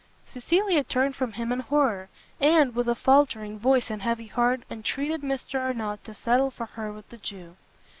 Cecilia turned from him in horror; and, with a faltering voice and heavy heart, entreated Mr Arnott to settle for her with the Jew.